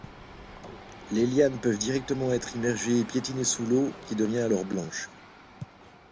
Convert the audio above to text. Les lianes peuvent directement être immergées et piétinées sous l'eau qui devient alors blanche.